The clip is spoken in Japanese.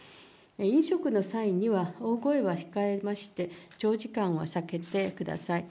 飲食の際には大声は控えまして、長時間は避けてください。